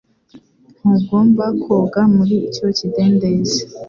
Ntugomba koga muri icyo kidendezi